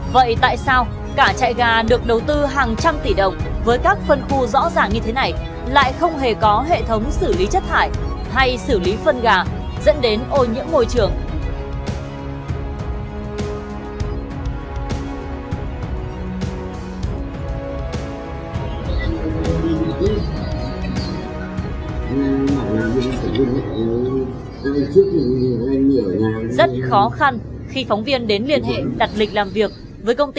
vậy tại sao cả chạy gà được đầu tư hàng trăm tỷ đồng với các phân khu rõ ràng như thế này lại không hề có hệ thống xử lý chất thải hay xử lý phân gà dẫn đến ô nhiễm môi trường